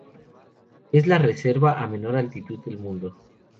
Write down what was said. Es la reserva a menor altitud del mundo.